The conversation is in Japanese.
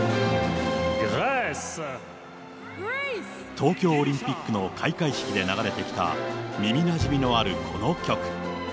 東京オリンピックの開会式で流れてきた耳なじみのあるこの曲。